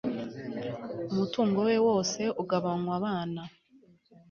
umutungo we wose ugabanywa abana